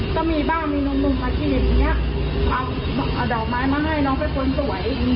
ก็มีบ้างมีหนุ่มมาคลินิกอย่างนี้เอาดอกไม้มาให้น้องเป็นคนสวย